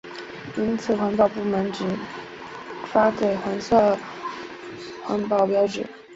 因此环保部门只发给黄色环保标志。